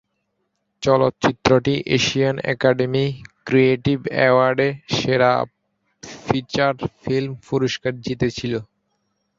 চলচ্চিত্রটি Asian academy creative অ্যাওয়ার্ডে সেরা ফিচার ফিল্ম পুরস্কার জিতেছিল।